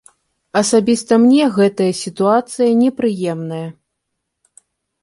Асабіста мне гэтая сітуацыя непрыемная.